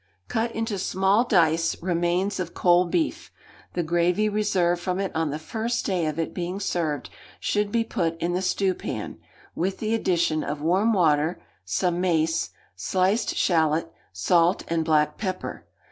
Cut into small dice remains of cold beef: the gravy reserved from it on the first day of it being served should be put in the stewpan, with the addition of warm water, some mace, sliced shalot, salt, and black pepper.